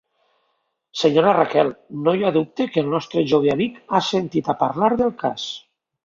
Sra. Raquel, no hi ha dubte que el nostre jove amic ha sentit a parlar del cas.